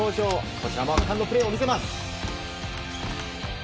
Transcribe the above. こちらも圧巻のプレーを見せます。